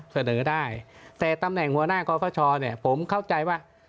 เสนอได้แต่ตำแหน่งหัวหน้ากรฟชเนี่ยผมเข้าใจว่า